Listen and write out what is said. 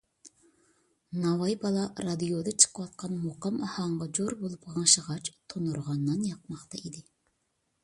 ناۋاي بالا رادىيودا چىقىۋاتقان مۇقام ئاھاڭىغا جور بولۇپ غىڭشىغاچ تونۇرغا نان ياقماقتا ئىدى.